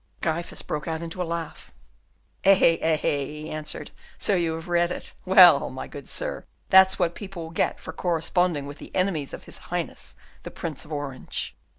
Gryphus broke out into a laugh. "Eh! eh!" he answered, "so, you have read it. Well, my good sir, that's what people will get for corresponding with the enemies of his Highness the Prince of Orange."